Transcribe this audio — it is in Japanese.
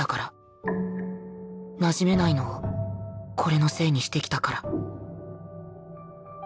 なじめないのをこれのせいにしてきたから